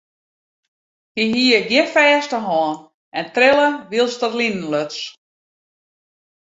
Hy hie gjin fêste hân en trille wylst er linen luts.